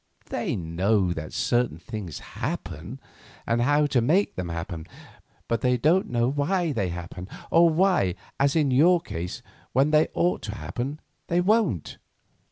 They know that certain things happen, and how to make them happen; but they don't know why they happen, or why, as in your case, when they ought to happen, they won't."